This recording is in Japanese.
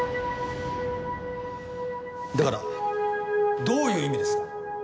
だからどういう意味ですか？